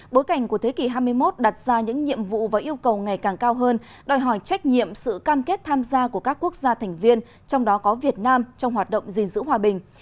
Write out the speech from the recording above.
bối cảnh của thế kỷ hai mươi một đặt ra những nhiệm vụ và yêu cầu ngày càng cao hơn đòi hỏi trách nhiệm sự cam kết tham gia của các quốc gia thành viên trong đó có việt nam trong hoạt động gìn giữ hòa bình